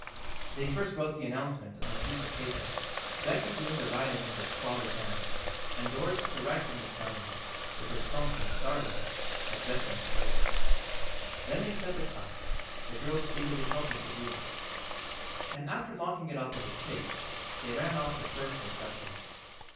They first wrote the announcement on a piece of paper, Becky doing the writing in her scrawly hand and Doris correcting the spelling, which was something startling as Becky employed it. Then they set the type, the girls eagerly helping to do that, and after locking it up in the chase they ran off the first impression.